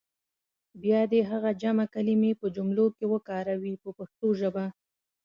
بیا دې هغه جمع کلمې په جملو کې وکاروي په پښتو ژبه.